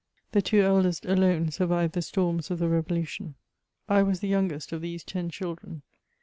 The two eldest alone surviyed the storms of the revolution. I was the youngest of these ten children.